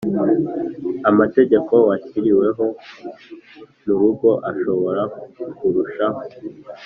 Amategeko washyiriweho mu rugo ashobora kurushaho